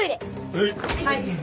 はい。